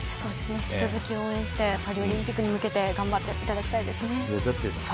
引き続き応援して、パリオリンピックに向けて頑張ってもらいたいですね。